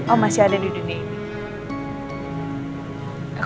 oh masih ada di dunia ini